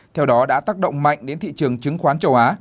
theo đó đã tác động mạnh đến thị trường chứng khoán châu á